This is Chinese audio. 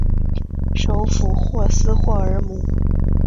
首府霍斯霍尔姆。